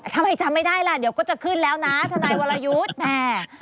ทำไมจำไม่ได้ล่ะเดี๋ยวก็จะขึ้นแล้วนะทนายวรยุทธ์แม่